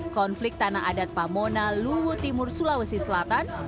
konflik tanah adat pamona luwu timur sulawesi selatan